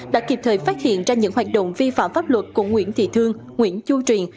đã kịp thời phát hiện ra những hoạt động vi phạm pháp luật của nguyễn thị thương nguyễn chu truyền